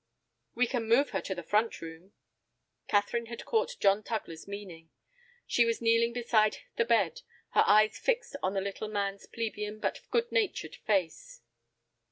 "We can move her to the front room." Catherine had caught John Tugler's meaning. She was kneeling beside the bed, her eyes fixed on the little man's plebeian but good natured face.